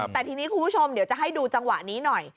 แต่ทีนี้คุณผู้ชมเดี๋ยวจะให้ดูจังหวะนี้หน่อย